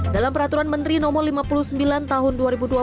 dalam peraturan menteri no lima puluh sembilan tahun dua ribu dua puluh